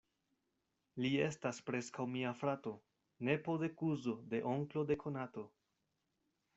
Li estas preskaŭ mia frato: nepo de kuzo de onklo de konato.